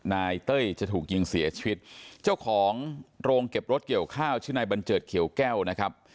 เต้ยจะถูกยิงเสียชีวิตเจ้าของโรงเก็บรถเกี่ยวข้าวชื่อนายบัญเจิดเขียวแก้วนะครับ